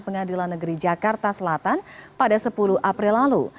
pengadilan negeri jakarta selatan pada sepuluh april lalu